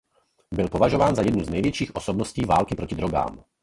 Byl považován za jednu z největších osobností války proti drogám.